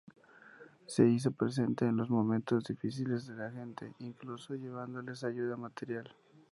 Se hizo presente en los momentos difíciles de la gente, incluso llevándoles ayuda material.